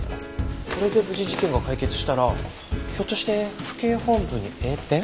これで無事事件が解決したらひょっとして府警本部に栄転？